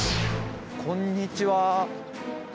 こんにちは。